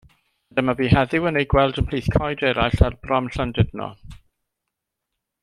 A dyma fi heddiw yn eu gweld ymhlith coed eraill ar brom Llandudno.